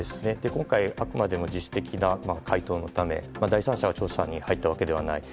今回、あくまでも自主的な回答のため第三者が調査に入ったわけではない。